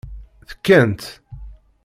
Tekkant.